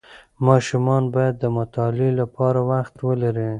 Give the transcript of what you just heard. ماشومان باید د مطالعې لپاره وخت ولري.